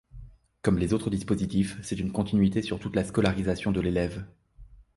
Comme les autres dispositifs, c’est une continuité sur toute la scolarisation de l’élève.